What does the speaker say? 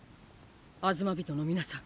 アズマビトの皆さん。